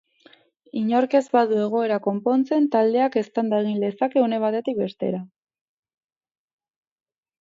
Inork ez badu egoera konpontzen, taldeak eztanda egin lezake une batetik bestera.